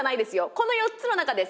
この４つの中です。